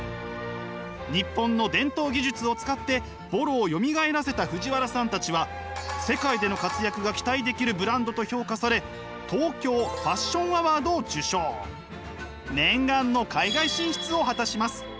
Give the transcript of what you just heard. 日本の伝統技術を使って襤褸をよみがえらせた藤原さんたちは世界での活躍が期待できるブランドと評価され念願の海外進出を果たします。